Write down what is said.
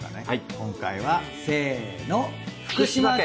今回はせの。